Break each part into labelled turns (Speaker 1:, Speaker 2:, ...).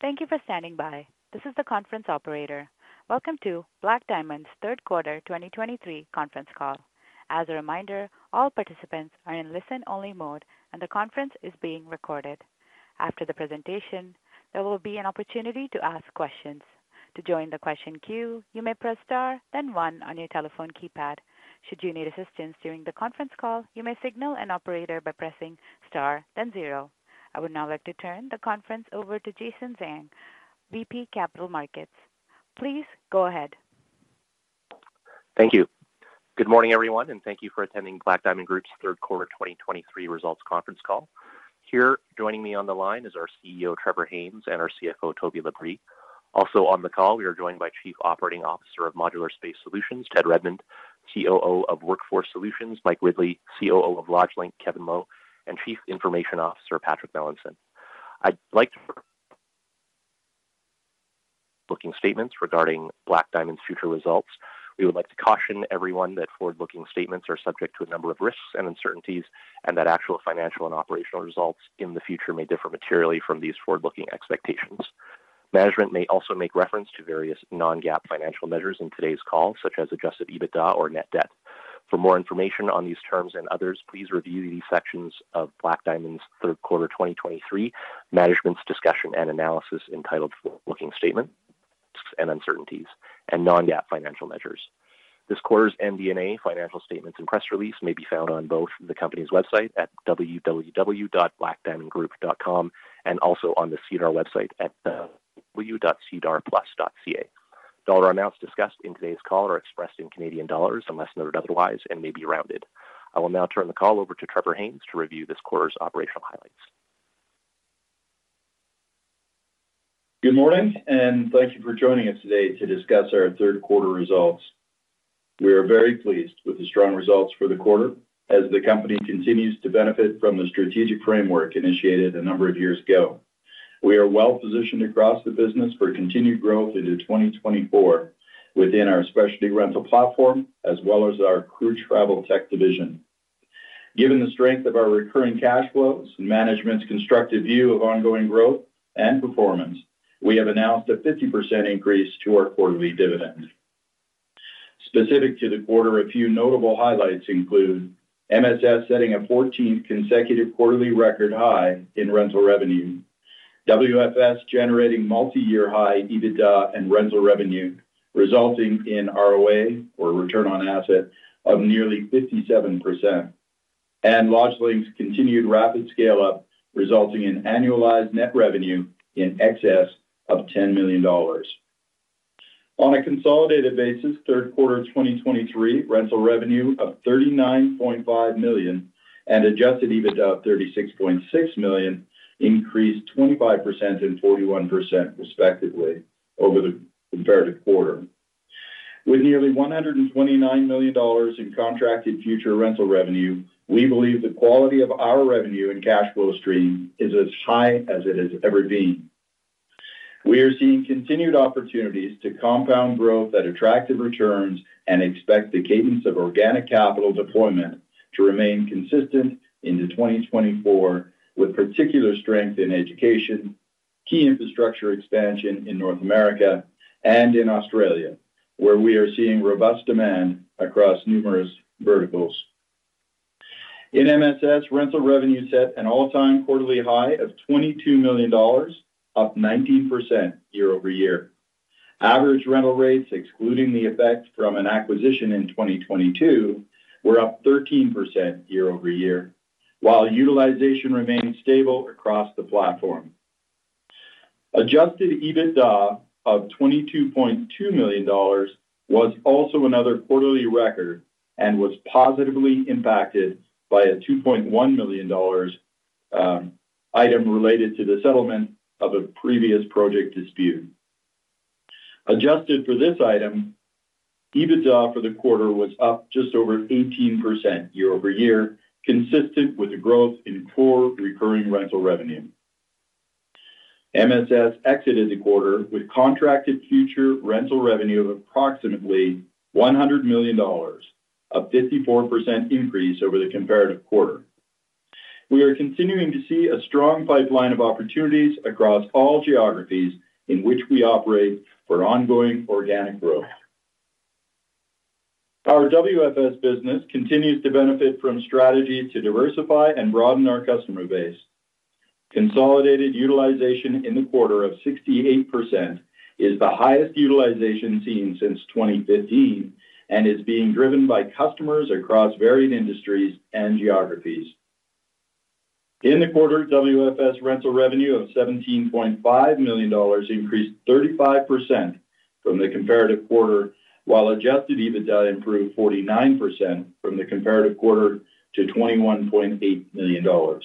Speaker 1: Thank you for standing by. This is the conference operator. Welcome to Black Diamond's Third Quarter 2023 Conference Call. As a reminder, all participants are in listen-only mode, and the conference is being recorded. After the presentation, there will be an opportunity to ask questions. To join the question queue, you may press Star, then one on your telephone keypad. Should you need assistance during the conference call, you may signal an operator by pressing Star, then zero. I would now like to turn the conference over to Jason Zhang, VP Capital Markets. Please go ahead.
Speaker 2: Thank you. Good morning, everyone, and thank you for attending Black Diamond Group's Third Quarter 2023 Results Conference Call. Here joining me on the line is our CEO, Trevor Haynes, and our CFO, Toby LaBrie. Also on the call, we are joined by Chief Operating Officer of Modular Space Solutions, Ted Redmond, COO of Workforce Solutions, Mike Ridley, COO of LodgeLink, Kevin O'Brien, and Chief Information Officer, Patrick Melanson. I'd like to looking statements regarding Black Diamond's future results. We would like to caution everyone that forward-looking statements are subject to a number of risks and uncertainties, and that actual financial and operational results in the future may differ materially from these forward-looking expectations. Management may also make reference to various non-GAAP financial measures in today's call, such as Adjusted EBITDA or Net Debt.
Speaker 3: For more information on these terms and others, please review these sections of Black Diamond's Third Quarter 2023 Management's Discussion and Analysis, entitled Forward-Looking Statement, and Uncertainties and Non-GAAP Financial Measures. This quarter's MD&A financial statements and press release may be found on both the company's website at www.blackdiamondgroup.com and also on the SEDAR website at www.sedarplus.ca. Dollar amounts discussed in today's call are expressed in Canadian dollars, unless noted otherwise, and may be rounded. I will now turn the call over to Trevor Haynes to review this quarter's operational highlights.
Speaker 4: Good morning, and thank you for joining us today to discuss our third quarter results. We are very pleased with the strong results for the quarter as the company continues to benefit from the strategic framework initiated a number of years ago. We are well-positioned across the business for continued growth into 2024 within our specialty rental platform, as well as our crew travel tech division. Given the strength of our recurring cash flows and management's constructive view of ongoing growth and performance, we have announced a 50% increase to our quarterly dividend. Specific to the quarter, a few notable highlights include MSS setting a 14th consecutive quarterly record high in rental revenue, WFS generating multi-year high EBITDA and rental revenue, resulting in ROA, or return on assets, of nearly 57%, and LodgeLink's continued rapid scale-up, resulting in annualized net revenue in excess of 10 million dollars. On a consolidated basis, third quarter 2023, rental revenue of 39.5 million and Adjusted EBITDA of 36.6 million, increased 25% and 41%, respectively, over the comparative quarter. With nearly 129 million dollars in contracted future rental revenue, we believe the quality of our revenue and cash flow stream is as high as it has ever been. We are seeing continued opportunities to compound growth at attractive returns and expect the cadence of organic capital deployment to remain consistent into 2024, with particular strength in education, key infrastructure expansion in North America and in Australia, where we are seeing robust demand across numerous verticals. In MSS, rental revenue set an all-time quarterly high of 22 million dollars, up 19% year-over-year. Average rental rates, excluding the effect from an acquisition in 2022, were up 13% year-over-year, while utilization remained stable across the platform. Adjusted EBITDA of $22.2 million was also another quarterly record and was positively impacted by a 2.1 million dollars item related to the settlement of a previous project dispute. Adjusted for this item, EBITDA for the quarter was up just over 18% year-over-year, consistent with the growth in core recurring rental revenue. MSS exited the quarter with contracted future rental revenue of approximately 100 million dollars, a 54% increase over the comparative quarter. We are continuing to see a strong pipeline of opportunities across all geographies in which we operate for ongoing organic growth. Our WFS business continues to benefit from strategy to diversify and broaden our customer base. Consolidated utilization in the quarter of 68% is the highest utilization seen since 2015 and is being driven by customers across varied industries and geographies. In the quarter, WFS rental revenue of 17.5 million dollars increased 35% from the comparative quarter, while Adjusted EBITDA improved 49% from the comparative quarter to 21.8 million dollars.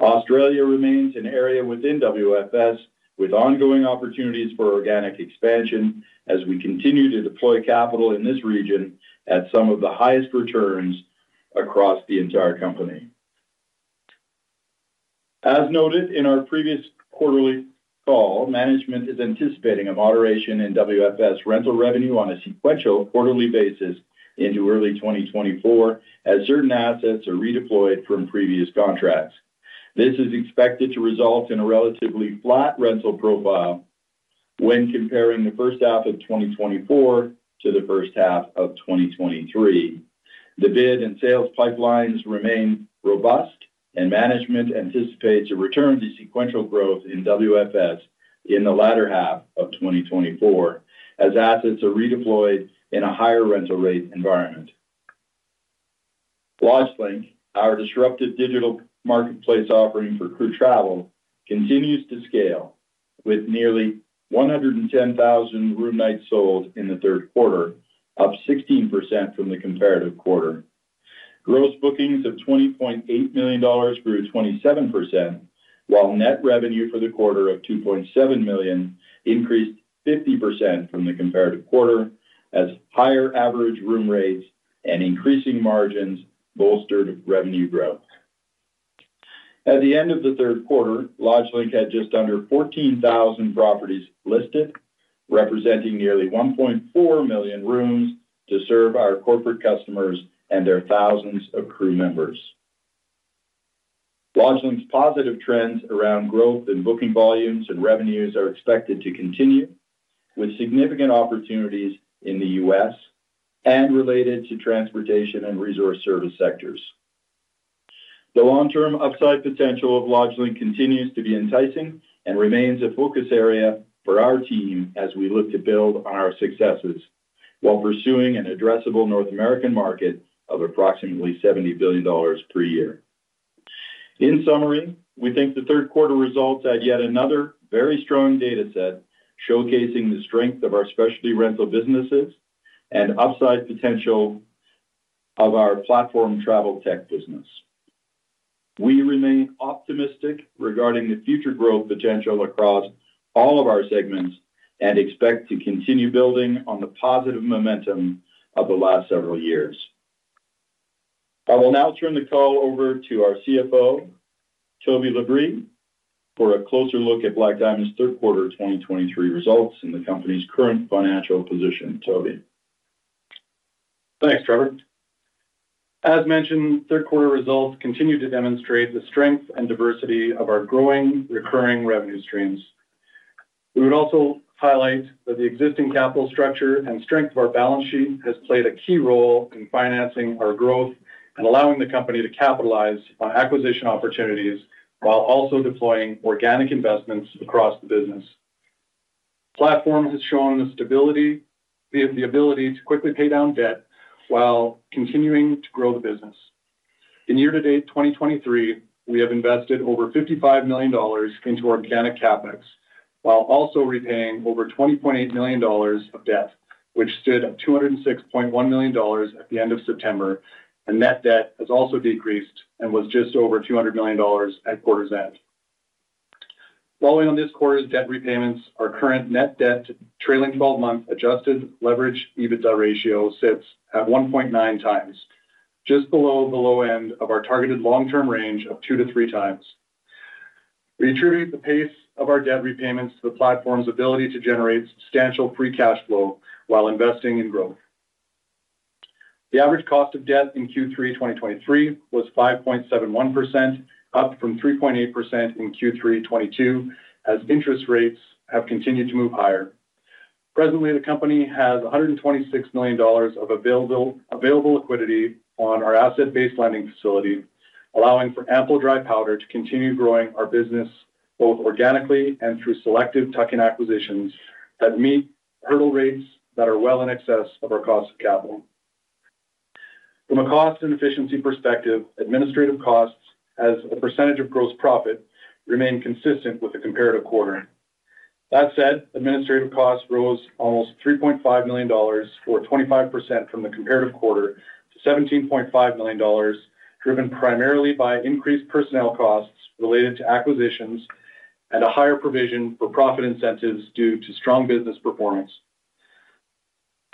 Speaker 4: Australia remains an area within WFS with ongoing opportunities for organic expansion as we continue to deploy capital in this region at some of the highest returns across the entire company. As noted in our previous quarterly call, management is anticipating a moderation in WFS rental revenue on a sequential quarterly basis into early 2024, as certain assets are redeployed from previous contracts. This is expected to result in a relatively flat rental profile when comparing the first half of 2024 to the first half of 2023. The bid and sales pipelines remain robust, and management anticipates a return to sequential growth in WFS in the latter half of 2024, as assets are redeployed in a higher rental rate environment. LodgeLink, our disruptive digital marketplace offering for crew travel, continues to scale, with nearly 110,000 room nights sold in the third quarter, up 16% from the comparative quarter. Gross bookings of 20.8 million dollars grew 27%, while net revenue for the quarter of 2.7 million increased 50% from the comparative quarter, as higher average room rates and increasing margins bolstered revenue growth. At the end of the third quarter, LodgeLink had just under 14,000 properties listed, representing nearly 1.4 million rooms to serve our corporate customers and their thousands of crew members. LodgeLink's positive trends around growth and booking volumes and revenues are expected to continue, with significant opportunities in the U.S. and related to transportation and resource service sectors. The long-term upside potential of LodgeLink continues to be enticing and remains a focus area for our team as we look to build on our successes while pursuing an addressable North American market of approximately $70 billion per year. In summary, we think the third quarter results add yet another very strong data set, showcasing the strength of our specialty rental businesses and upside potential of our platform travel tech business. We remain optimistic regarding the future growth potential across all of our segments and expect to continue building on the positive momentum of the last several years. I will now turn the call over to our CFO, Toby LaBrie, for a closer look at Black Diamond's third quarter 2023 results and the company's current financial position. Toby?
Speaker 5: Thanks, Trevor. As mentioned, third quarter results continue to demonstrate the strength and diversity of our growing recurring revenue streams. We would also highlight that the existing capital structure and strength of our balance sheet has played a key role in financing our growth and allowing the company to capitalize on acquisition opportunities while also deploying organic investments across the business. The platforms has shown the stability, the ability to quickly pay down debt while continuing to grow the business. In year-to-date 2023, we have invested over 55 million dollars into organic CapEx, while also repaying over 20.8 million dollars of debt, which stood at 206.1 million dollars at the end of September, and net debt has also decreased and was just over 200 million dollars at quarter's end. Following on this quarter's debt repayments, our current net debt trailing twelve-month adjusted leverage EBITDA ratio sits at 1.9 times, just below the low end of our targeted long-term range of 2-3 times. We attribute the pace of our debt repayments to the platform's ability to generate substantial free cash flow while investing in growth. The average cost of debt in Q3 2023 was 5.71%, up from 3.8% in Q3 2022, as interest rates have continued to move higher. Presently, the company has 126 million dollars of available liquidity on our asset-based lending facility, allowing for ample dry powder to continue growing our business both organically and through selective tuck-in acquisitions that meet hurdle rates that are well in excess of our cost of capital. From a cost and efficiency perspective, administrative costs as a percentage of gross profit remain consistent with the comparative quarter. That said, administrative costs rose almost 3.5 million dollars, or 25% from the comparative quarter to 17.5 million dollars, driven primarily by increased personnel costs related to acquisitions and a higher provision for profit incentives due to strong business performance.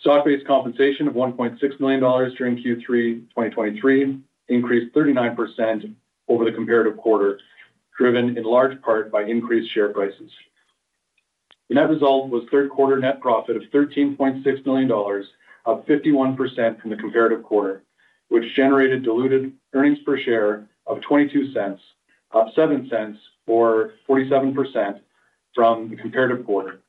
Speaker 5: Stock-based compensation of 1.6 million dollars during Q3 2023 increased 39% over the comparative quarter, driven in large part by increased share prices. The net result was third quarter net profit of 13.6 million dollars, up 51% from the comparative quarter, which generated diluted earnings per share of 0.22, up 0.07, or 47% from the comparative quarter.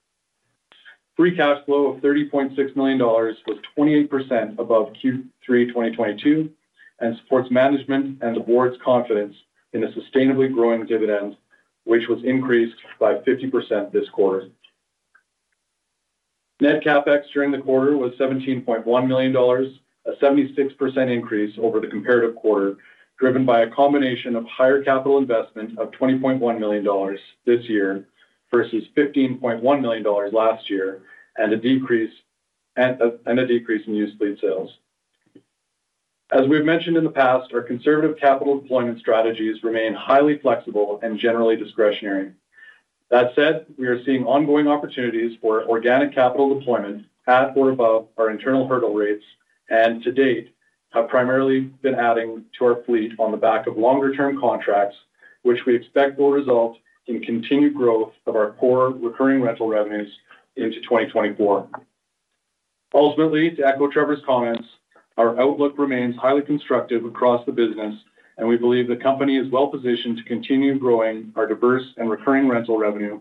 Speaker 5: Free cash flow of 30.6 million dollars was 28% above Q3 2022 and supports management and the board's confidence in a sustainably growing dividend, which was increased by 50% this quarter. Net CapEx during the quarter was 17.1 million dollars, a 76% increase over the comparative quarter, driven by a combination of higher capital investment of 20.1 million dollars this year versus 15.1 million dollars last year, and a decrease in used fleet sales. As we've mentioned in the past, our conservative capital deployment strategies remain highly flexible and generally discretionary. That said, we are seeing ongoing opportunities for organic capital deployment at or above our internal hurdle rates, and to date have primarily been adding to our fleet on the back of longer-term contracts, which we expect will result in continued growth of our core recurring rental revenues into 2024. Ultimately, to echo Trevor's comments, our outlook remains highly constructive across the business, and we believe the company is well positioned to continue growing our diverse and recurring rental revenue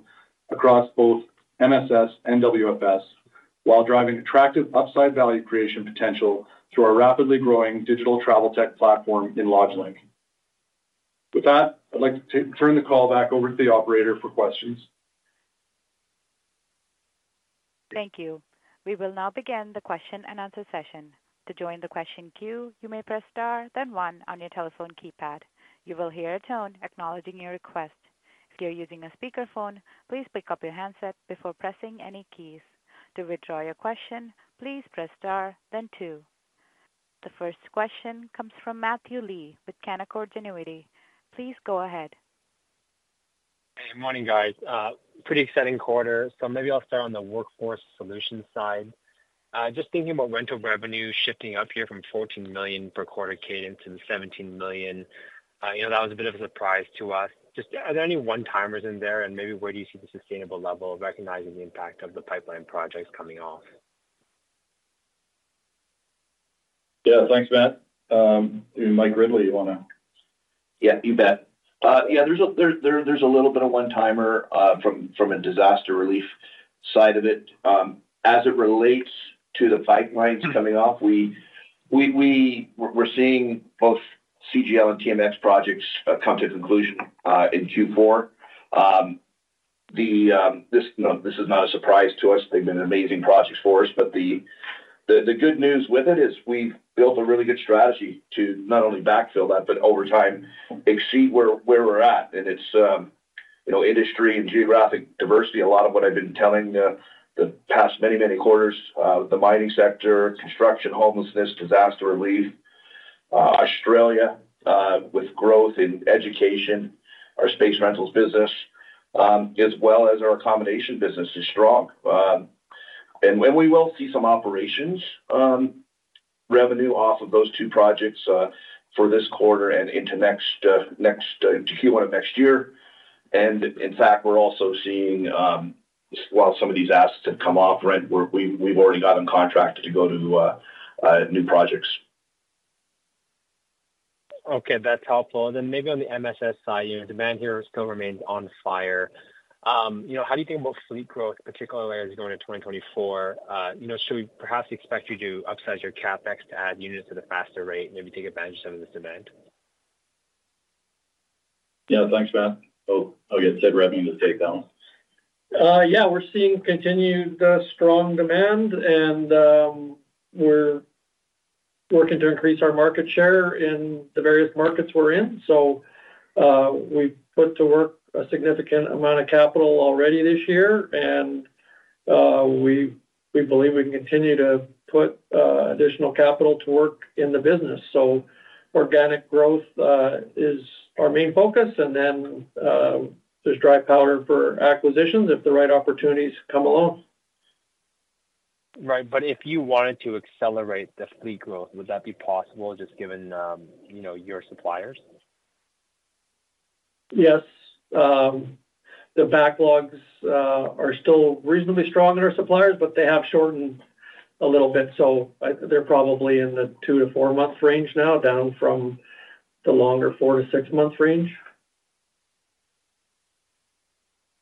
Speaker 5: across both MSS and WFS, while driving attractive upside value creation potential through our rapidly growing digital travel tech platform in LodgeLink. With that, I'd like to turn the call back over to the operator for questions.
Speaker 1: Thank you. We will now begin the question-and-answer session. To join the question queue, you may press star, then one on your telephone keypad. You will hear a tone acknowledging your request. If you're using a speakerphone, please pick up your handset before pressing any keys. To withdraw your question, please press star then two. The first question comes from Matthew Lee with Canaccord Genuity. Please go ahead.
Speaker 2: Hey, morning, guys. Pretty exciting quarter. Maybe I'll start on the Workforce Solutions side. Just thinking about rental revenue shifting up here from 14 million per quarter cadence to 17 million, you know, that was a bit of a surprise to us. Just, are there any one-timers in there, and maybe where do you see the sustainable level, recognizing the impact of the pipeline projects coming off?
Speaker 5: Yeah. Thanks, Matt. Mike Ridley, you want to
Speaker 6: Yeah, you bet. Yeah, there's a little bit of one-timer from a disaster relief side of it. As it relates to the pipelines coming off, we're seeing both CGL and TMX projects come to conclusion in Q4. This, you know, this is not a surprise to us. They've been amazing projects for us, but the good news with it is we've built a really good strategy to not only backfill that, but over time, exceed where we're at. And it's, you know, industry and geographic diversity. A lot of what I've been telling the past many quarters, the mining sector, construction, homelessness, disaster relief, Australia, with growth in education, our space rentals business, as well as our accommodation business is strong. When we will see some operating revenue off of those two projects for this quarter and into next Q1 of next year. In fact, we're also seeing, while some of these assets have come off rent, we've already got them contracted to go to new projects.
Speaker 2: Okay, that's helpful. Then maybe on the MSS side, you know, demand here still remains on fire. You know, how do you think about fleet growth, particularly as you go into 2024? You know, should we perhaps expect you to upsize your CapEx to add units at a faster rate and maybe take advantage of some of this demand?
Speaker 5: Yeah. Thanks, Matt. Oh, yeah, said revenue to take down.
Speaker 7: Yeah, we're seeing continued strong demand, and we're working to increase our market share in the various markets we're in. So, we've put to work a significant amount of capital already this year, and we believe we can continue to put additional capital to work in the business. So organic growth is our main focus, and then there's dry powder for acquisitions if the right opportunities come along.
Speaker 2: Right. But if you wanted to accelerate the fleet growth, would that be possible, just given, you know, your suppliers?
Speaker 7: Yes. The backlogs are still reasonably strong in our suppliers, but they have shortened a little bit, so they're probably in the two to four month range now, down from the longer four to six month range.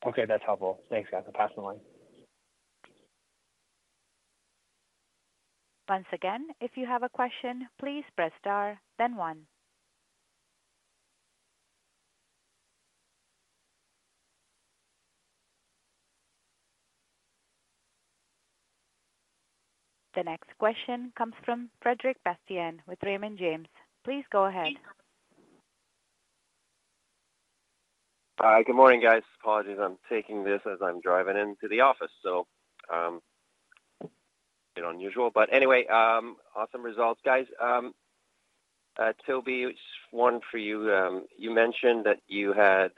Speaker 2: Okay, that's helpful. Thanks, guys. I'll pass the line.
Speaker 1: Once again, if you have a question, please press Star then one. The next question comes from Frederic Bastien with Raymond James. Please go ahead.
Speaker 8: Good morning, guys. Apologies, I'm taking this as I'm driving into the office, so a bit unusual. But anyway, awesome results, guys. Toby, one for you. You mentioned that you had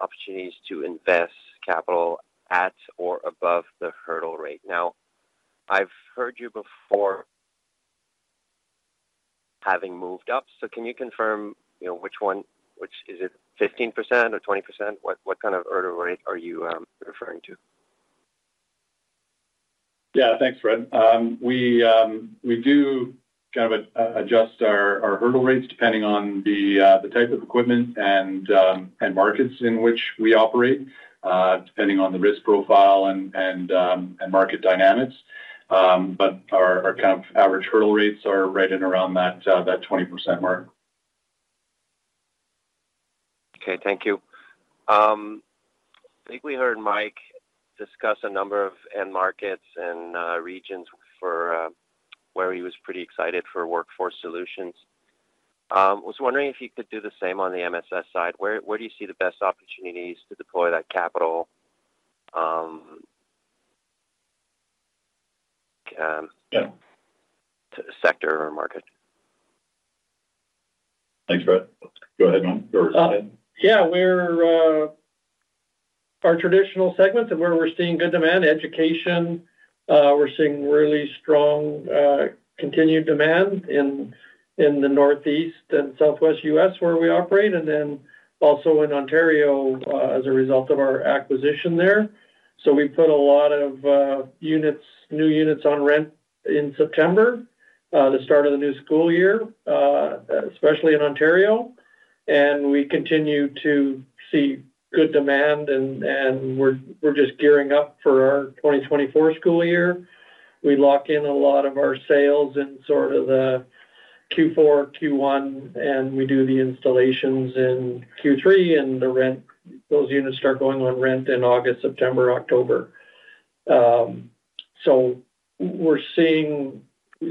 Speaker 8: opportunities to invest capital at or above the hurdle rate. Now, I've heard you before, having moved up, so can you confirm, you know, which one, which is it 15% or 20%? What, what kind of hurdle rate are you referring to?
Speaker 5: Yeah. Thanks, Fred. We do kind of adjust our hurdle rates depending on the type of equipment and markets in which we operate, depending on the risk profile and market dynamics. But our kind of average hurdle rates are right in around that 20% mark.
Speaker 8: Okay, thank you. I think we heard Mike discuss a number of end markets and regions for where he was pretty excited for Workforce Solutions. I was wondering if you could do the same on the MSS side. Where do you see the best opportunities to deploy that capital
Speaker 5: Yeah
Speaker 8: To sector or market?
Speaker 4: Thanks, Fred. Go ahead, Mike.
Speaker 7: Yeah, we're our traditional segments and where we're seeing good demand, education, we're seeing really strong continued demand in the Northeast and Southwest U.S. where we operate, and then also in Ontario, as a result of our acquisition there. So we put a lot of units, new units on rent in September, the start of the new school year, especially in Ontario. And we continue to see good demand, and we're just gearing up for our 2024 school year. We lock in a lot of our sales in sort of the Q4, Q1, and we do the installations in Q3, and the rent, those units start going on rent in August, September, October. So we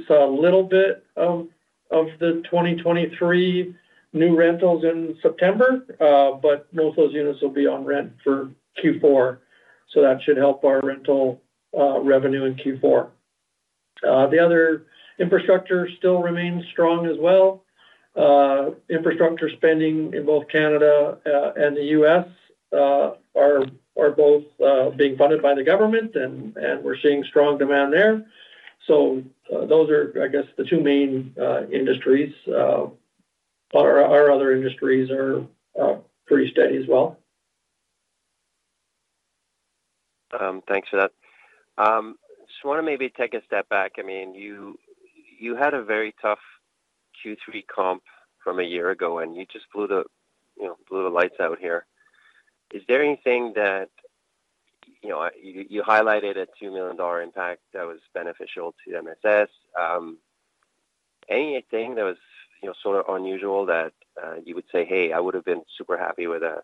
Speaker 7: saw a little bit of the 2023 new rentals in September, but most of those units will be on rent for Q4, so that should help our rental revenue in Q4. The other infrastructure still remains strong as well. Infrastructure spending in both Canada and the U.S. are both being funded by the government, and we're seeing strong demand there. So those are, I guess, the two main industries. Our other industries are pretty steady as well.
Speaker 8: Thanks for that. Just wanna maybe take a step back. I mean, you, you had a very tough Q3 comp from a year ago, and you just blew the, you know, blew the lights out here. Is there anything that, you know, you, you highlighted a 2 million dollar impact that was beneficial to MSS. Anything that was, you know, sort of unusual that, you would say, "Hey, I would have been super happy with a,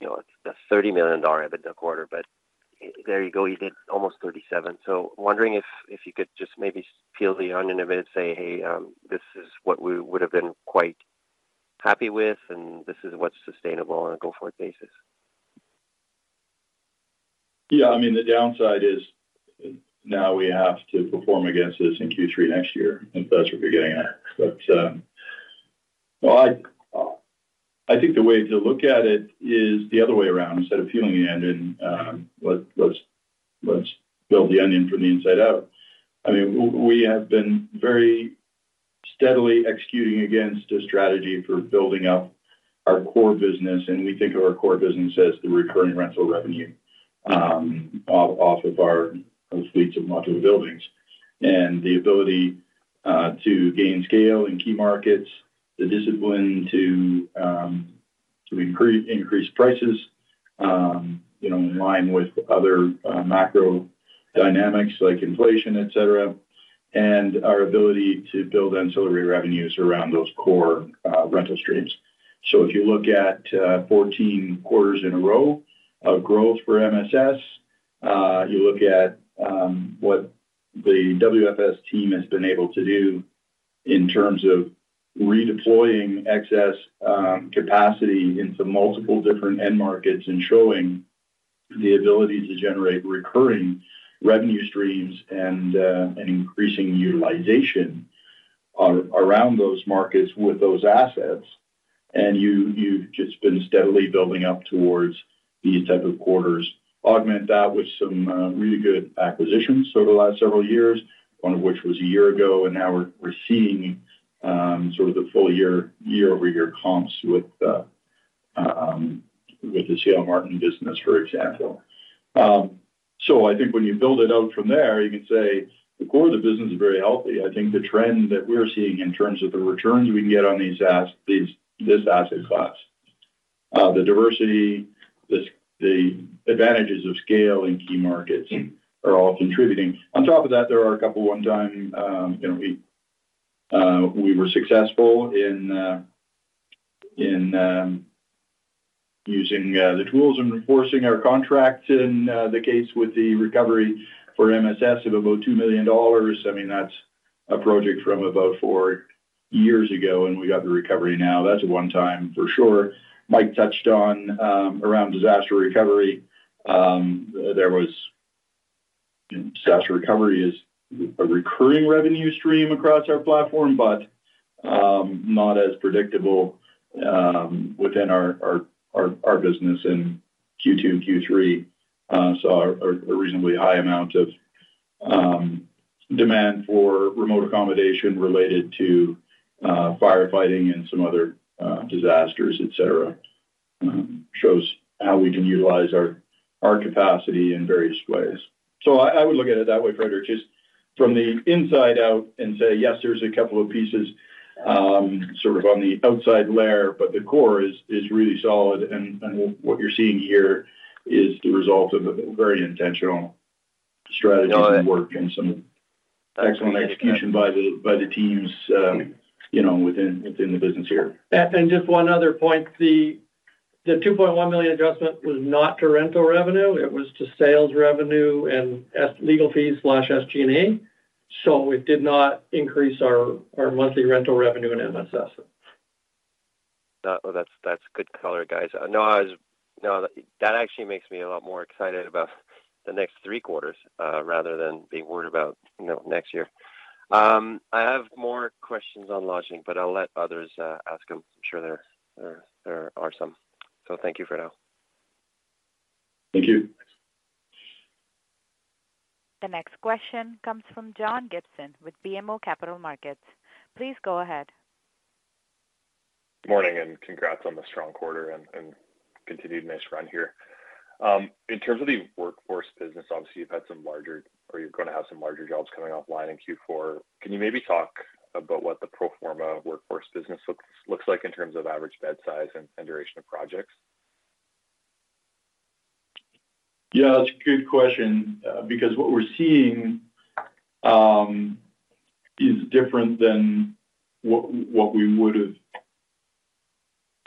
Speaker 8: you know, a 30 million dollar EBITDA quarter," but there you go, you did almost 37. So wondering if, if you could just maybe peel the onion a bit and say, "Hey, this is what we would have been quite happy with, and this is what's sustainable on a go-forward basis.
Speaker 4: Yeah, I mean, the downside is now we have to perform against this in Q3 next year, if that's what you're getting at. But, well, I think the way to look at it is the other way around. Instead of peeling the onion, let's build the onion from the inside out. I mean, we have been very steadily executing against a strategy for building up our core business, and we think of our core business as the recurring rental revenue off of our fleets of modular buildings. And the ability to gain scale in key markets, the discipline to increase prices, you know, in line with other macro dynamics like inflation, etc., and our ability to build ancillary revenues around those core rental streams. So if you look at 14 quarters in a row of growth for MSS, you look at what the WFS team has been able to do in terms of redeploying excess capacity into multiple different end markets and showing the ability to generate recurring revenue streams and increasing utilization around those markets with those assets, and you've just been steadily building up towards these type of quarters. Augment that with some really good acquisitions over the last several years, one of which was a year ago, and now we're seeing sort of the full year, year-over-year comps with the CL Martin business, for example. So I think when you build it out from there, you can say the core of the business is very healthy. I think the trend that we're seeing in terms of the returns we can get on these, this asset class, the diversity, the advantages of scale in key markets are all contributing. On top of that, there are a couple one-time, you know, we were successful in using the tools and enforcing our contracts in the case with the recovery for MSS of about 2 million dollars. I mean, that's a project from about four years ago, and we got the recovery now. That's a one time for sure. Mike touched on around disaster recovery. Disaster recovery is a recurring revenue stream across our platform, but not as predictable within our business in Q2 and Q3. So a reasonably high amount of demand for remote accommodation related to firefighting and some other disasters, etc., shows how we can utilize our capacity in various ways. So I would look at it that way, Frederic, just from the inside out and say, yes, there's a couple of pieces sort of on the outside layer, but the core is really solid, and what you're seeing here is the result of a very intentional strategy and work and some excellent execution by the teams, you know, within the business here.
Speaker 7: Just one other point, the 2.1 million adjustment was not to rental revenue, it was to sales revenue and SG&A. So it did not increase our monthly rental revenue in MSS.
Speaker 8: Well, that's good color, guys. No, that actually makes me a lot more excited about the next three quarters, rather than being worried about, you know, next year. I have more questions on lodging, but I'll let others ask them. I'm sure there are some. So thank you for now.
Speaker 4: Thank you.
Speaker 1: The next question comes from John Gibson with BMO Capital Markets. Please go ahead.
Speaker 9: Good morning, and congrats on the strong quarter and continued nice run here. In terms of the workforce business, obviously, you've had some larger or you're going to have some larger jobs coming offline in Q4. Can you maybe talk about what the pro forma workforce business looks like in terms of average bed size and duration of projects?
Speaker 4: Yeah, that's a good question. Because what we're seeing is different than what we would have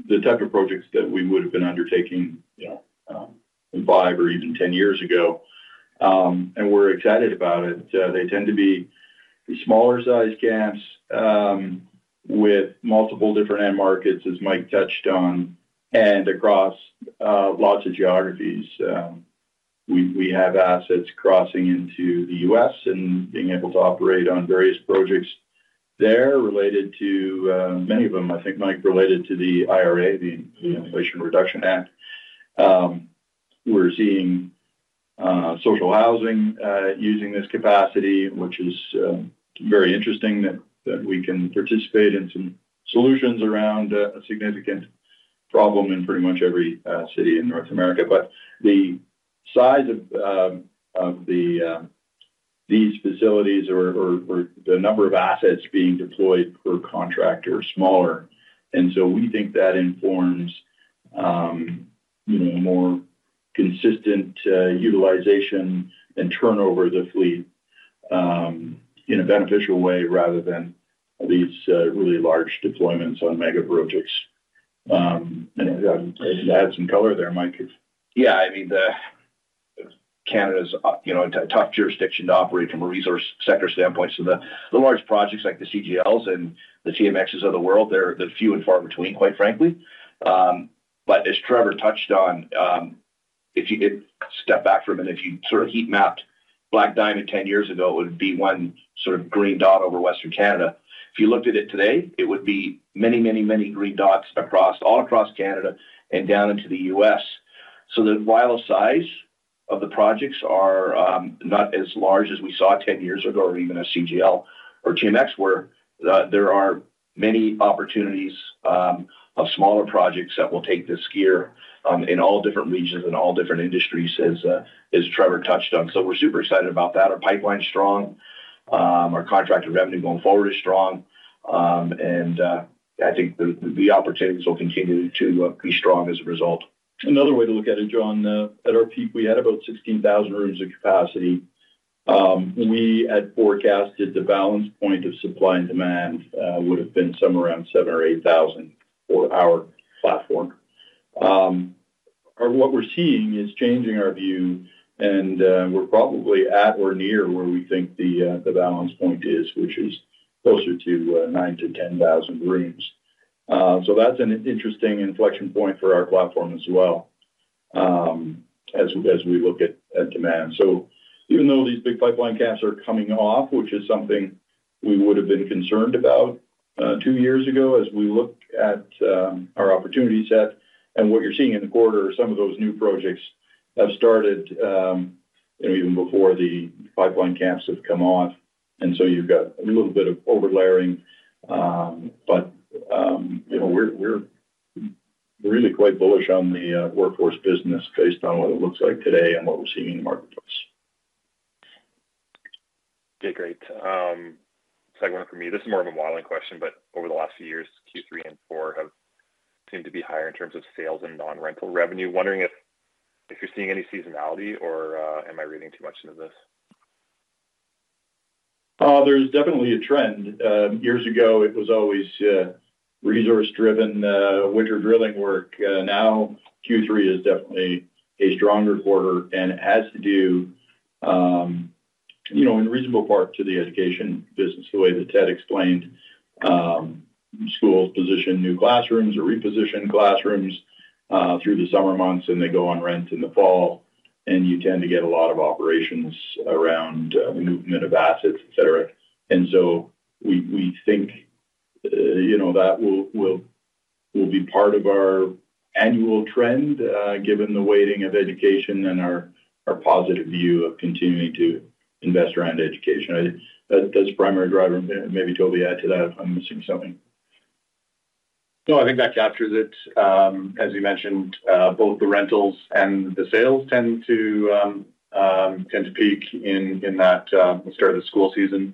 Speaker 4: the type of projects that we would have been undertaking, you know, five or even 10 years ago. And we're excited about it. They tend to be smaller size camps with multiple different end markets, as Mike touched on, and across lots of geographies. We have assets crossing into the U.S. and being able to operate on various projects there related to many of them, I think, Mike, related to the IRA, the Inflation Reduction Act. We're seeing social housing using this capacity, which is very interesting that we can participate in some solutions around a significant problem in pretty much every city in North America. But the size of these facilities or the number of assets being deployed per contract are smaller, and so we think that informs, you know, more consistent utilization and turnover of the fleet in a beneficial way, rather than these really large deployments on mega projects. And add some color there, Mike.
Speaker 6: Yeah, I mean, the Canada's, you know, a tough jurisdiction to operate from a resource sector standpoint. So the, the large projects like the CGLs and the TMXs of the world, they're the few and far between, quite frankly. But as Trevor touched on, if you could step back for a minute, if you sort of heat-mapped Black Diamond ten years ago, it would be one sort of green dot over Western Canada. If you looked at it today, it would be many, many, many green dots across all across Canada and down into the U.S. So the overall size of the projects are not as large as we saw 10 years ago, or even a CGL or TMX, where there are many opportunities of smaller projects that will take this year in all different regions and all different industries, as as Trevor touched on. So we're super excited about that. Our pipeline is strong, our contracted revenue going forward is strong, and I think the, the opportunities will continue to be strong as a result.
Speaker 4: Another way to look at it, John, at our peak, we had about 16,000 rooms of capacity. We had forecasted the balance point of supply and demand would have been somewhere around 7,000 or 8,000 for our platform. What we're seeing is changing our view, and we're probably at or near where we think the balance point is, which is closer to 9,000-10,000 rooms. So that's an interesting inflection point for our platform as well, as we look at demand. So even though these big pipeline camps are coming off, which is something we would have been concerned about, two years ago, as we look at our opportunity set and what you're seeing in the quarter, some of those new projects have started, you know, even before the pipeline camps have come off. And so you've got a little bit of overlayering. But, you know, we're, we're really quite bullish on the workforce business based on what it looks like today and what we're seeing in the marketplace.
Speaker 9: Okay, great. Second one for me. This is more of a modeling question, but over the last few years, Q3 and 4 have seemed to be higher in terms of sales and non-rental revenue. Wondering if, if you're seeing any seasonality or, am I reading too much into this?
Speaker 4: There's definitely a trend. Years ago, it was always resource-driven winter drilling work. Now, Q3 is definitely a stronger quarter, and it has to do, you know, in reasonable part to the education business, the way that Ted explained. Schools position new classrooms or reposition classrooms through the summer months, and they go on rent in the fall, and you tend to get a lot of operations around the movement of assets, et cetera. And so we think, you know, that will be part of our annual trend, given the weighting of education and our positive view of continuing to invest around education. I think that's the primary driver. Maybe, Toby, add to that if I'm missing something.
Speaker 10: No, I think that captures it. As you mentioned, both the rentals and the sales tend to peak in that start of the school season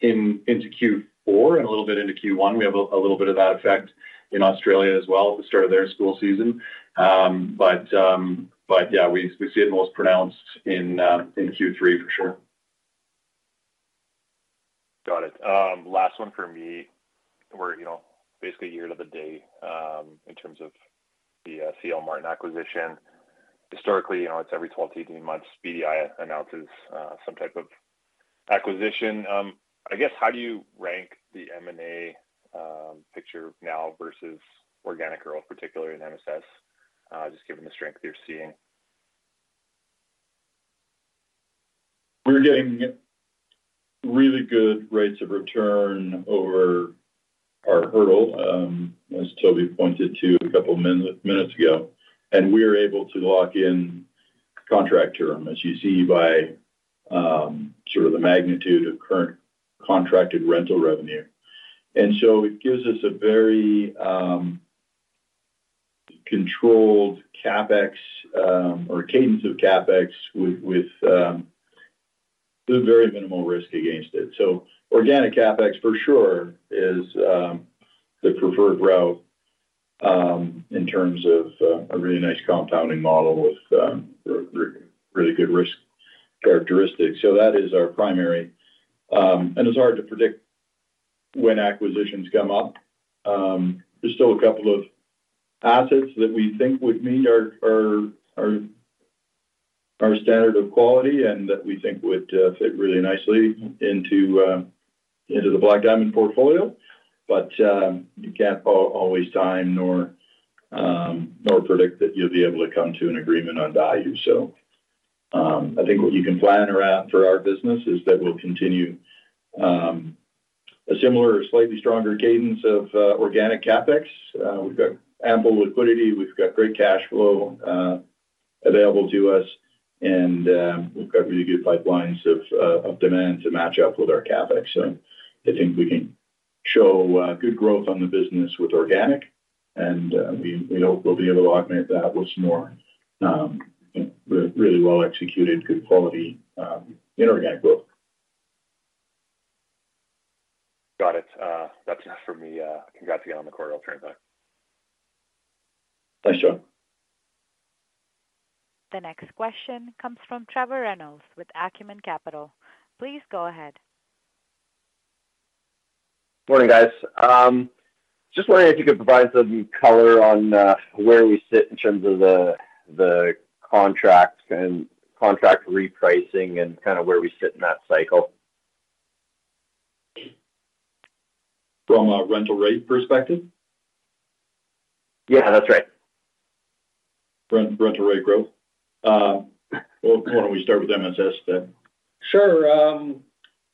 Speaker 10: into Q4 and a little bit into Q1. We have a little bit of that effect in Australia as well, at the start of their school season. But yeah, we see it most pronounced in Q3, for sure.
Speaker 9: Got it. Last one for me. We're, you know, basically a year to the day, in terms of the, CL Martin acquisition. Historically, you know, it's every 12-18 months, BDI announces, some type of acquisition. I guess, how do you rank the M&A, picture now versus organic growth, particularly in MSS, just given the strength you're seeing?
Speaker 4: We're getting really good rates of return over our hurdle, as Toby pointed to a couple of minutes ago, and we are able to lock in contract term, as you see, by sort of the magnitude of current contracted rental revenue. And so it gives us a very controlled CapEx or cadence of CapEx with very minimal risk against it. So organic CapEx, for sure, is the preferred route in terms of a really nice compounding model with really good risk characteristics. So that is our primary. And it's hard to predict when acquisitions come up. There's still a couple of assets that we think would meet our standard of quality and that we think would fit really nicely into the Black Diamond portfolio. But, you can't always time nor predict that you'll be able to come to an agreement on value. So, I think what you can plan around for our business is that we'll continue a similar or slightly stronger cadence of organic CapEx. We've got ample liquidity. We've got great cash flow available to us, and we've got really good pipelines of demand to match up with our CapEx. So I think we can show good growth on the business with organic, and we hope we'll be able to augment that with some more really well executed, good quality inorganic growth.
Speaker 9: Got it. That's it for me. Congrats again on the quarter. I'll turn it back.
Speaker 4: Thanks, John.
Speaker 1: The next question comes from Trevor Reynolds with Acumen Capital. Please go ahead.
Speaker 11: Morning, guys. Just wondering if you could provide some color on where we sit in terms of the contracts and contract repricing and kind of where we sit in that cycle?
Speaker 4: From a rental rate perspective?
Speaker 11: Yeah, that's right.
Speaker 4: Rent, rental rate growth. Well, why don't we start with MSS then?
Speaker 7: Sure.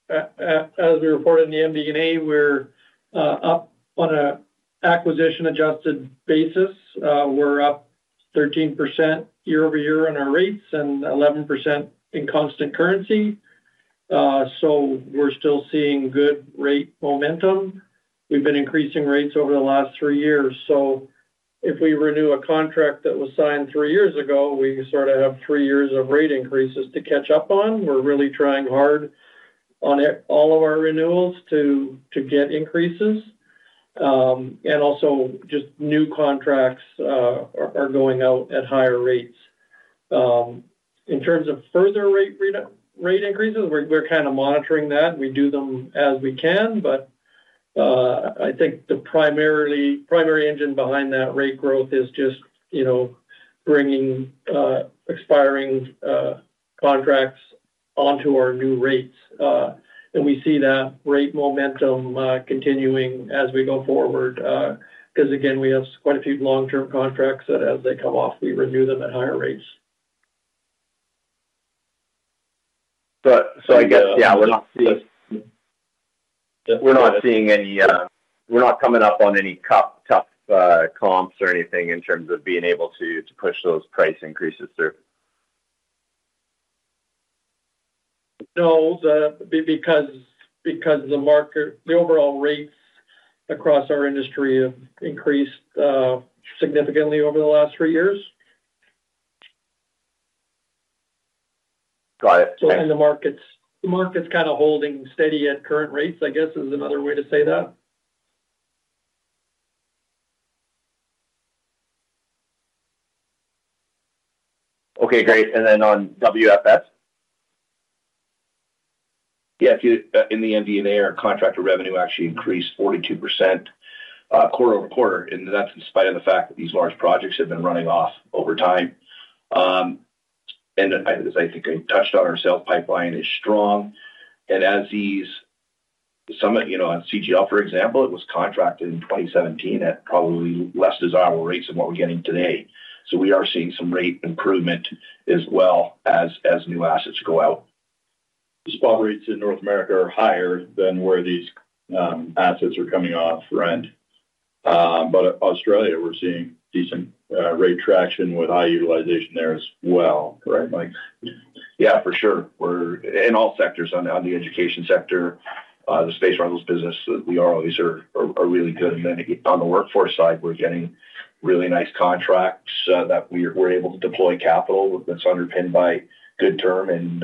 Speaker 7: As we reported in the MD&A, we're up on a acquisition-adjusted basis. We're up 13% year-over-year on our rates and 11% in constant currency. So we're still seeing good rate momentum. We've been increasing rates over the last three years, so if we renew a contract that was signed three years ago, we sort of have three years of rate increases to catch up on. We're really trying hard on all of our renewals to get increases. And also just new contracts are going out at higher rates. In terms of further rate increases, we're kind of monitoring that. We do them as we can, but I think the primary engine behind that rate growth is just, you know, bringing expiring contracts onto our new rates. And we see that rate momentum, continuing as we go forward, 'cause again, we have quite a few long-term contracts that as they come off, we renew them at higher rates.
Speaker 11: I guess, yeah, we're not seeing
Speaker 7: Yes.
Speaker 11: We're not seeing any, we're not coming up on any tough, tough, comps or anything in terms of being able to, to push those price increases through?
Speaker 7: No, because the market, the overall rates across our industry have increased significantly over the last three years.
Speaker 11: Got it. Thanks.
Speaker 7: The market's, the market's kind of holding steady at current rates, I guess, is another way to say that.
Speaker 11: Okay, great. And then on WFS?
Speaker 6: Yeah, if you, in the MD&A, our contractor revenue actually increased 42%, quarter-over-quarter, and that's in spite of the fact that these large projects have been running off over time. And as I think I touched on, our sales pipeline is strong, and as these some of, you know, on CGL, for example, it was contracted in 2017 at probably less desirable rates than what we're getting today. So we are seeing some rate improvement as well as, as new assets go out.
Speaker 4: The spot rates in North America are higher than where these assets are coming off rent. But Australia, we're seeing decent rate traction with high utilization there as well, correct, Mike?
Speaker 6: Yeah, for sure. We're in all sectors, on the education sector, the space rentals business, we are always really good. And then on the workforce side, we're getting really nice contracts that we're able to deploy capital that's underpinned by good term and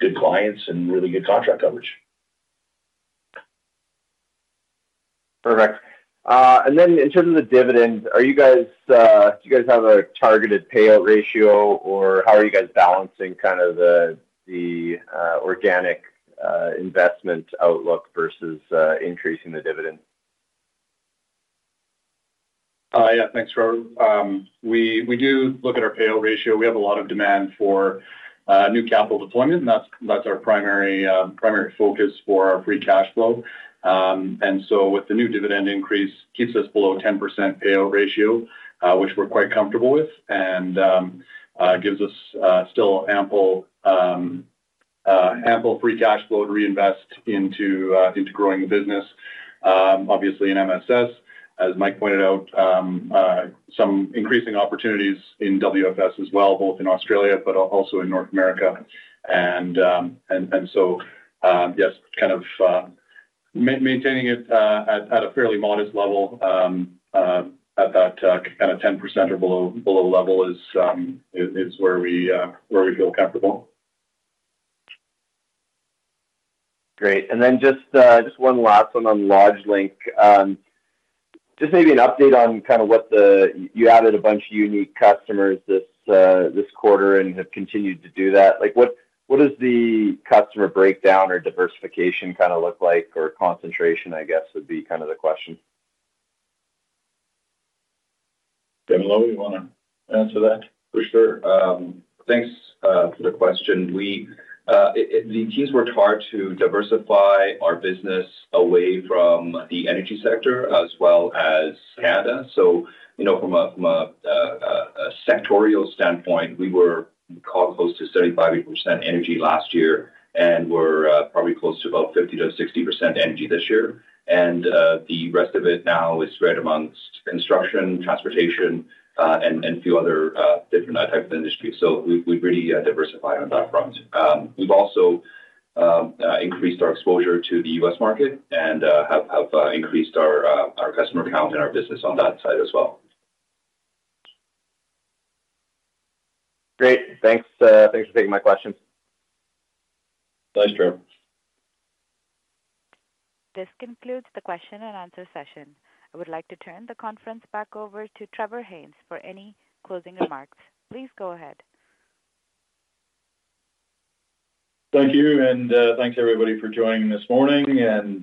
Speaker 6: good clients and really good contract coverage.
Speaker 11: Perfect. And then in terms of the dividends, are you guys, do you guys have a targeted payout ratio, or how are you guys balancing kind of the organic investment outlook versus increasing the dividend?
Speaker 5: Yeah, thanks, Trevor. We do look at our payout ratio. We have a lot of demand for new capital deployment, and that's our primary focus for our free cash flow. And so with the new dividend increase, keeps us below 10% payout ratio, which we're quite comfortable with, and gives us still ample free cash flow to reinvest into growing the business. Obviously in MSS, as Mike pointed out, some increasing opportunities in WFS as well, both in Australia but also in North America. And so, yes, kind of maintaining it at a fairly modest level at that kind of 10% or below level is where we feel comfortable.
Speaker 11: Great. And then just, just one last one on LodgeLink. Just maybe an update on kind of what the you added a bunch of unique customers this, this quarter and have continued to do that. Like, what, what is the customer breakdown or diversification kinda look like, or concentration, I guess, would be kind of the question?
Speaker 4: Dan Lowe, you want to answer that?
Speaker 12: For sure. Thanks for the question. The team's worked hard to diversify our business away from the energy sector as well as Canada. So, you know, from a sectoral standpoint, we were close to 35% energy last year, and we're probably close to about 50%-60% energy this year. And the rest of it now is spread amongst construction, transportation, and a few other different types of industries. So we've really diversified on that front. We've also increased our exposure to the U.S. market and have increased our customer count and our business on that side as well.
Speaker 11: Great. Thanks, thanks for taking my questions.
Speaker 4: Thanks, Trevor.
Speaker 1: This concludes the question and answer session. I would like to turn the conference back over to Trevor Haynes for any closing remarks. Please go ahead.
Speaker 4: Thank you, and, thanks, everybody, for joining this morning and,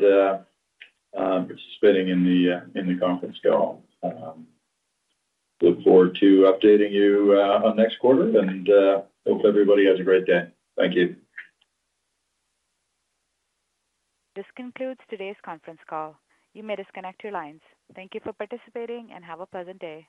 Speaker 4: participating in the conference call. Look forward to updating you, on next quarter and, hope everybody has a great day. Thank you.
Speaker 1: This concludes today's conference call. You may disconnect your lines. Thank you for participating, and have a pleasant day.